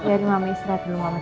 ya ini mama istri dulu mama capek